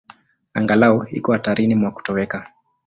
Angalau iko hatarini mwa kutoweka.